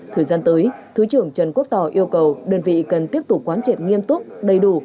thời gian tới thứ trưởng trần quốc tỏ yêu cầu đơn vị cần tiếp tục quán triệt nghiêm túc đầy đủ